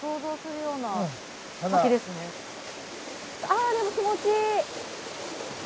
あでも気持ちいい。